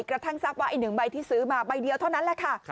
กระทั่งทราบว่าไอ้๑ใบที่ซื้อมาใบเดียวเท่านั้นแหละค่ะ